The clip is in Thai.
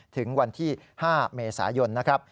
ถึงวันที่๕เมษายนนะครับ